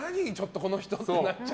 この人みたくなっちゃう。